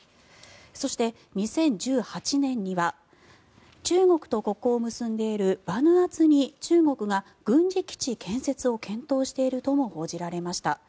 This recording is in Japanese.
そして、２０１８年には中国と国交を結んでいるバヌアツに中国が軍事基地建設を検討しているとも報じられました。